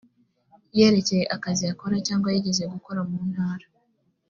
yerekeye akazi akora cyangwa yigeze gukora muntara